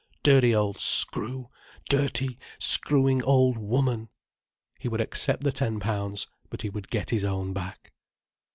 _—dirty old screw, dirty, screwing old woman! He would accept the ten pounds; but he would get his own back.